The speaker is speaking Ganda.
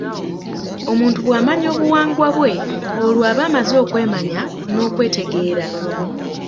Omuntu bw’amanya obuwangwa bwe olwo aba amaze okwemanya n’okwetegeera.